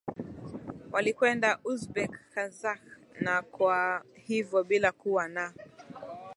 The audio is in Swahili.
walikwenda Uzbek Kazakh na Kwa hivyo bila kuwa na